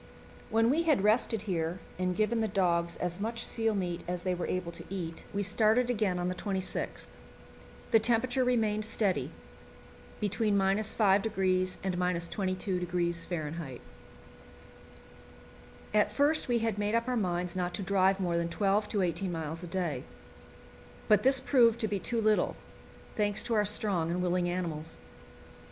When we had rested here and given the dogs as much seal meat as they were able to eat, we started again on the 26th. The temperature remained steady, between 5° and 22° F. At first we had made up our minds not to drive more than twelve to eighteen miles a day; but this proved to be too little, thanks to our strong and willing animals.